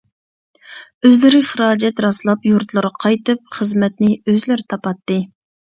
ئۆزلىرى خىراجەت راسلاپ يۇرتلىرىغا قايتىپ خىزمەتنى ئۆزلىرى تاپاتتى.